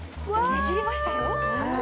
ねじりましたよ。